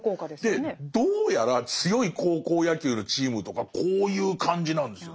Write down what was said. でどうやら強い高校野球のチームとかこういう感じなんですよ。